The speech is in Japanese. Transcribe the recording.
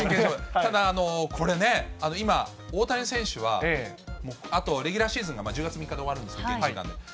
ただ、これね、今、大谷選手はあとレギュラーシーズンが１０月３日で終わるんですけど、現地時間の。